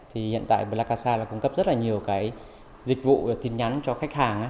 thì hiện tại blackasa cung cấp rất nhiều dịch vụ tin nhắn cho khách hàng